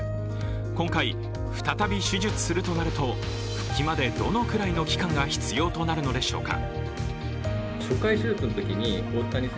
今回、再び手術するとなると復帰までどのくらいの期間が必要となるのでしょうか。